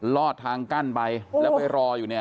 อดทางกั้นไปแล้วไปรออยู่เนี่ย